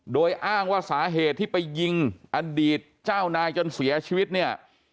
โดยอ้างว่าสาเหตุที่ไปยิงอดีตเจ้านายจนเสียชีวิตเนี่ย